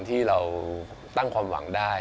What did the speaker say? ที่เราตั้งความหวังได้